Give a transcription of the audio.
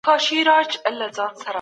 خو ټوټې یې تر میلیون وي رسېدلي